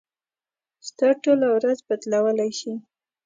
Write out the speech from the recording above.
ستا ټوله ورځ بدلولی شي.